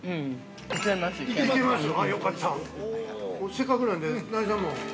せっかくなんで、中西さんも。